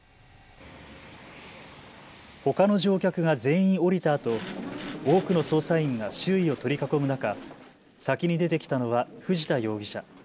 ほかの乗客が全員降りたあと多くの捜査員が周囲を取り囲む中、先に出てきたのは藤田容疑者。